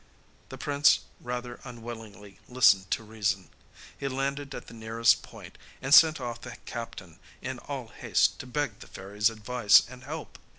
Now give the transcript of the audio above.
The prince rather unwillingly listened to reason. He landed at the nearest point, and sent off the captain in all haste to beg the fairy's advice and help.